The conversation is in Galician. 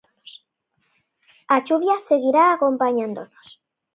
A chuvia seguirá acompañándonos.